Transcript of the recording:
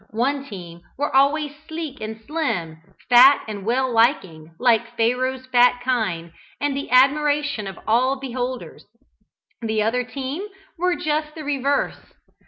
One team were always sleek and slim, "fat and well liking," like Pharaoh's fat kine, and the admiration of all beholders. The other team were just the reverse.